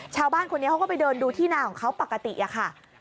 ชาวบ้านคนนี้เขาก็ไปเดินดูที่นาของเขาปกติอะค่ะ